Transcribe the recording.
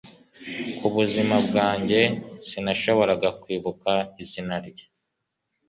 Kubuzima bwanjye, sinashoboraga kwibuka izina rye.